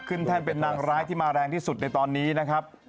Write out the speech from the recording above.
แท่นเป็นนางร้ายที่มาแรงที่สุดในตอนนี้นะครับ